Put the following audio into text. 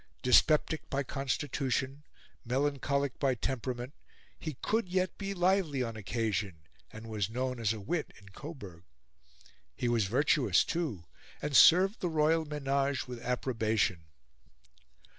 Dyspeptic by constitution, melancholic by temperament, he could yet be lively on occasion, and was known as a wit in Coburg. He was virtuous, too, and served the royal menage with approbation.